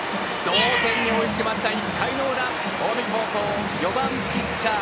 同点に追いつきました１回の裏、近江高校４番ピッチャー